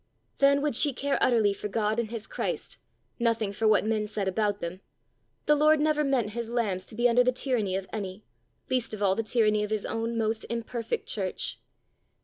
Then would she care utterly for God and his Christ, nothing for what men said about them: the Lord never meant his lambs to be under the tyranny of any, least of all the tyranny of his own most imperfect church!